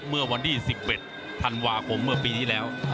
เมื่อวันที่๑๑ธันวาคมเมื่อปีที่แล้ว